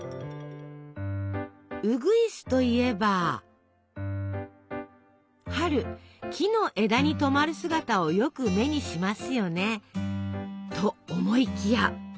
うぐいすといえば春木の枝にとまる姿をよく目にしますよね。と思いきや！